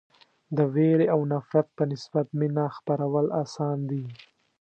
د وېرې او نفرت په نسبت مینه خپرول اسان دي.